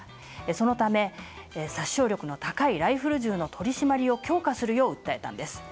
そのため殺傷力の高いライフル銃の取り締まりを強化するよう訴えたんです。